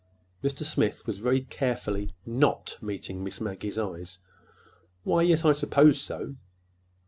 Mr. Smith was very carefully not meeting Miss Maggie's eyes. "Why, yes, I suppose so."